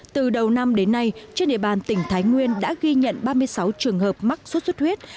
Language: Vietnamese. từ đầu năm đến nay trên địa bàn tỉnh thái nguyên đã ghi nhận ba mươi sáu trường hợp mắc sốt xuất huyết